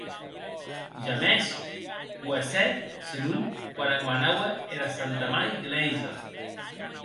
Jamès cohessè senon quan ac manaue era Santa Mair Gleisa.